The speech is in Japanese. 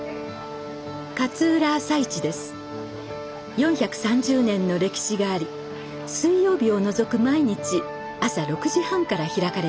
４３０年の歴史があり水曜日を除く毎日朝６時半から開かれています。